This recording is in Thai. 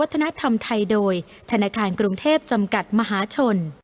ธรรมไทยโดยธนาคารกรุงเทพจำกัดมหาชน